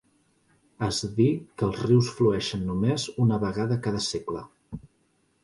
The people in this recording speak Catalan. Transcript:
Es di que els rius flueixen només una vegada cada segle.